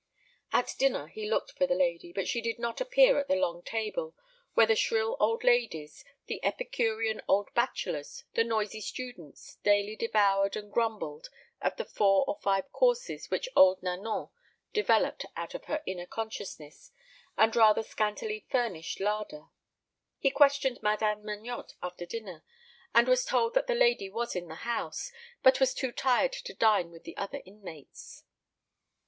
At dinner he looked for the lady; but she did not appear at the long table, where the shrill old ladies, the epicurean old bachelors, the noisy students, daily devoured and grumbled at the four or five courses which old Nanon developed out of her inner consciousness and a rather scantily furnished larder. He questioned Madame Magnotte after dinner, and was told that the lady was in the house, but was too tired to dine with the other inmates.